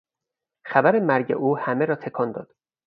خبر مرگ او همه را تکان داد.